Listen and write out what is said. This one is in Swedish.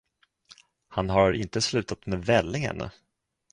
Han har inte slutat med välling ännu.